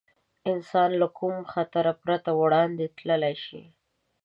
انسان له کوم خطر پرته وړاندې تللی شي.